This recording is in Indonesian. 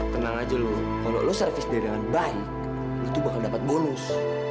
tenang aja lu kalo lu servis dia dengan baik lu tuh bakal dapet bonus